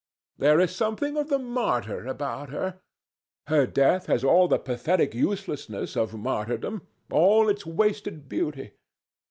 There is something of the martyr about her. Her death has all the pathetic uselessness of martyrdom, all its wasted beauty.